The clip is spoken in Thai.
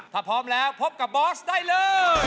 ถ้าพร้อมแล้วพบกับบอสได้เลย